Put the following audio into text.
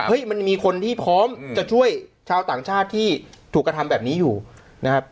มันมีคนที่พร้อมจะช่วยชาวต่างชาติที่ถูกกระทำแบบนี้อยู่นะครับ